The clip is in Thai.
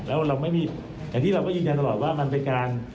แล้วเราไม่มีอย่างที่เราก็ยืนยันตลอดว่ามันเป็นการ